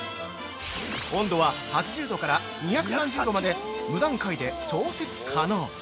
温度は８０度から２３０度まで無段階で調節可能！